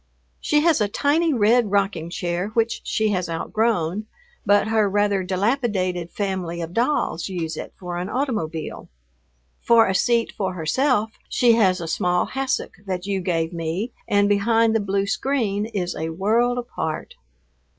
She has a tiny red rocking chair which she has outgrown, but her rather dilapidated family of dolls use it for an automobile. For a seat for herself she has a small hassock that you gave me, and behind the blue screen is a world apart.